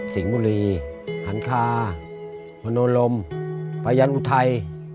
สิ่งบุรีหันคาพนโลมภายันทร์อุทัย